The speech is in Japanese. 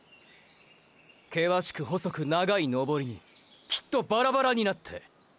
険しく細く長い登りにきっとバラバラになって！！